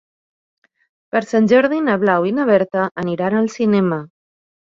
Per Sant Jordi na Blau i na Berta aniran al cinema.